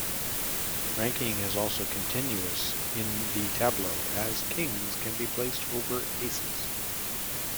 Ranking is also continuous in the tableau as Kings can be placed over Aces.